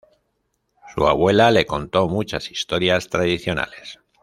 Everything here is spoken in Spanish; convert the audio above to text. Su abuela le contó muchas historias tradicionales.